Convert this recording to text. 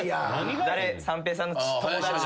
三平さんの友達とか。